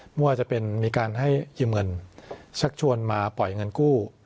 ไม่ว่าจะเป็นมีการให้ยืมเงินชักชวนมาปล่อยเงินกู้